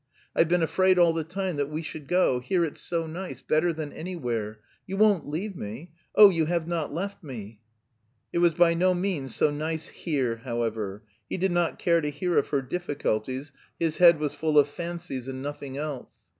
"I've been afraid all the time that we should go. Here it's so nice, better than anywhere.... You won't leave me? Oh, you have not left me!" It was by no means so nice "here", however. He did not care to hear of her difficulties; his head was full of fancies and nothing else.